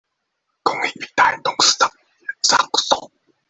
公益平臺董事長嚴長壽